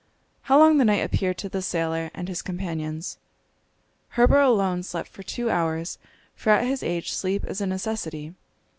How long the night appeared to the sailor and his companions! Herbert alone slept for two hours, for at his age sleep is a necessity.